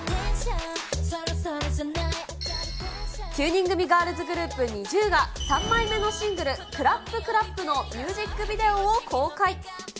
９人組ガールズグループ、ＮｉｚｉＵが、３枚目のシングル、クラップクラップのミュージックビデオを公開。